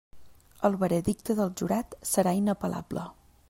El veredicte del jurat serà inapel·lable.